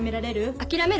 諦める。